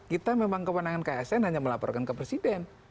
kita memang kemenangan ke asn hanya melaporkan ke presiden